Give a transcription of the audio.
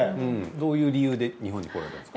どういう理由で日本に来られたんですか？